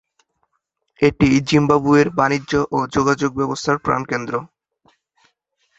এটি জিম্বাবুয়ের বাণিজ্য ও যোগাযোগ ব্যবস্থার প্রাণকেন্দ্র।